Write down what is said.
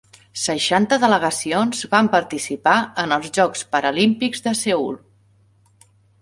Seixanta delegacions van participar en els Jocs Paralímpics de Seül.